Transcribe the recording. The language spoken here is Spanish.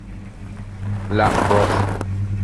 La "Prof.